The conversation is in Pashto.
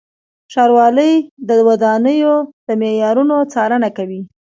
ښاروالۍ د ودانیو د معیارونو څارنه کوي.